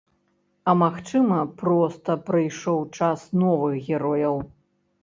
А магчыма, проста прыйшоў час новых герояў.